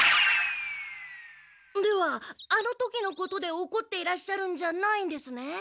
ではあの時のことでおこっていらっしゃるんじゃないんですね？